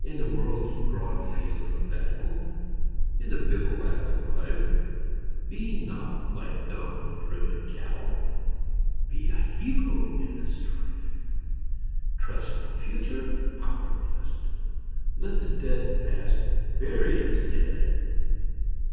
In the world's broad field of battle, In the bivouac of Life, Be not like dumb, driven cattle ! Be a hero in the strife ! Trust no Future, howe'er pleasant ! Let the dead Past bury its dead